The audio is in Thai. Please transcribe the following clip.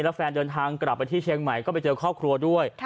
แล้วแฟนเดินทางกลับไปที่เชียงใหม่ก็ไปเจอครอบครัวด้วย